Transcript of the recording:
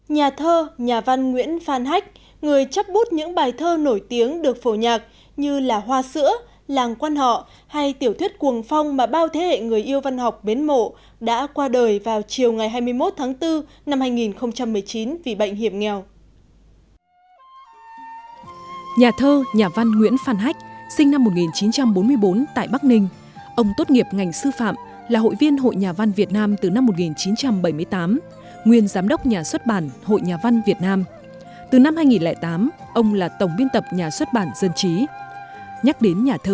nhà thơ nhà văn nguyễn phan hách người chấp bút những bài thơ nổi tiếng được phổ nhạc như là hoa sữa làng quan họ hay tiểu thuyết cuồng phong mà bao thế hệ người yêu văn học bến mộ đã qua đời vào chiều ngày hai mươi một tháng bốn năm hai nghìn một mươi chín vì bệnh hiểm nghèo